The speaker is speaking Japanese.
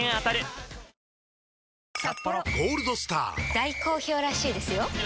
大好評らしいですよんうまい！